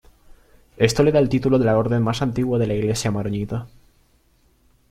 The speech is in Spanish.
Esto le da el título de la orden más antigua de la Iglesia maronita.